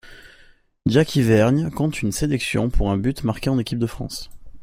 Jacky Vergnes compte une sélection pour un but marqué en équipe de France.